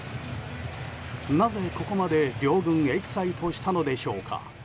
なぜここまで両軍エキサイトしたのでしょうか。